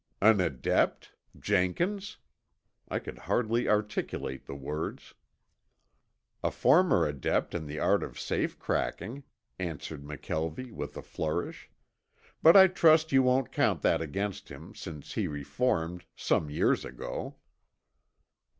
"An adept! Jenkins!" I could hardly articulate the words. "A former adept in the art of safe cracking," answered McKelvie with a flourish. "But I trust you won't count that against him since he reformed some years ago."